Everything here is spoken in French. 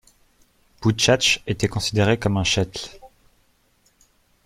Boutchatch était considérée comme un shtetl.